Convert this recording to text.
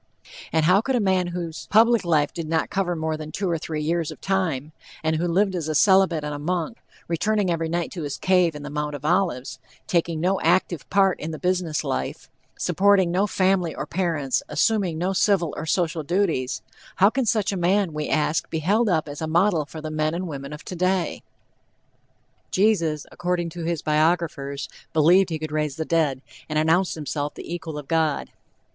And how could a man whose public life did not cover more than two or three years of time, and who lived as a celibate and a monk, returning every night to his cave in the Mount of Olives, taking no active part in the business life supporting no family or parents, assuming no civil or social duties how can such a man, we ask, be held up as a model for the men and women of today? Jesus, according to his biographers, believed he could raise the dead, and announced himself the equal of God.